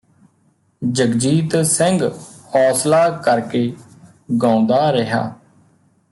ਜਗਜੀਤ ਸਿੰਘ ਹੌਸਲਾ ਕਰਕੇ ਗਾਉਂਦਾ ਰਿਹਾ